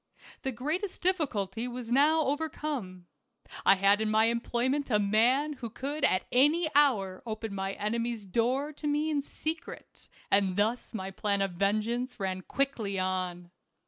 The Id greatest difficulty was now over pietro. come> i ] ia( j i n m y employment a man who could at any hour open my enemy's door to me in secret ; and thus my plan of vengeance ran quickly on.